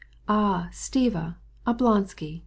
"Aha! Stiva! Oblonsky!